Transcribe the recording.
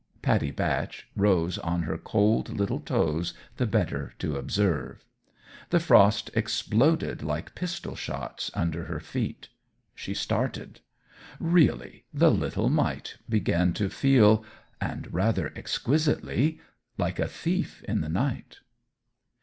Pattie Batch rose on her cold little toes the better to observe. The frost exploded like pistol shots under her feet. She started. Really, the little mite began to feel and rather exquisitely like a thief in the night.